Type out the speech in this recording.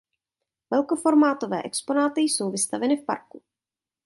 Velkoformátové exponáty jsou vystaveny v parku.